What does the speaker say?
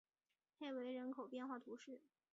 佩维人口变化图示